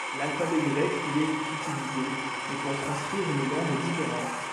L'alphabet grec y est utilisé, mais pour transcrire une langue différente.